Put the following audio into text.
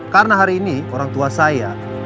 karena hari ini orang tua saya